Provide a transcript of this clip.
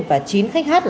và chín khách hát